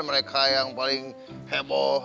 mereka yang paling heboh